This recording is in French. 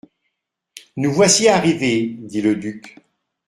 Nous voici arrivés, dit le duc.